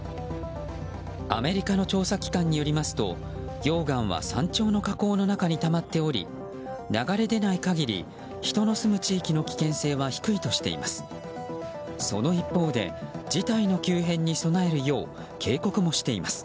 アメリカの調査機関によりますと溶岩は山頂の火口の中にたまっており流れ出ない限り人の住む地域の危険性は低いとしています。